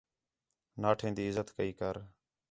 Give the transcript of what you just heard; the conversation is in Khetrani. ناٹھیں تی عِزت کَئی کر